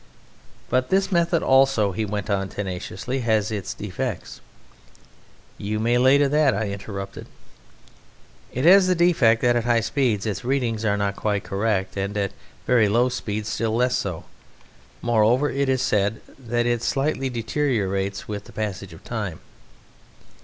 "But this method also," he went on tenaciously, "has its defects." "You may lay to that," I interrupted. "It has the defect that at high speeds its readings are not quite correct, and at very low speeds still less so. Moreover, it is said that it slightly deteriorates with the passage of time."